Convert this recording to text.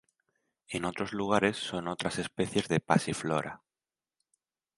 En otros lugares son otras especies de "Passiflora".